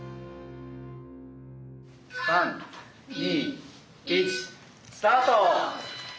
３２１スタート！